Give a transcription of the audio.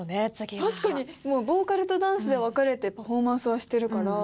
確かにもうボーカルとダンスで分かれてパフォーマンスはしてるから。